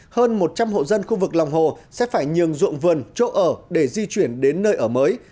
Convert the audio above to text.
hơn một trăm linh hộ dân khu vực lòng hồ sẽ phải nhường ruộng vườn chỗ ở để di chuyển đến nơi ở mới